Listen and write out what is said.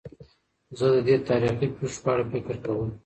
زه د دې تاریخي پېښو په اړه فکر کوم.